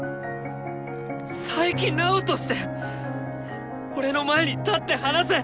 「佐伯直」として俺の前に立って話せ！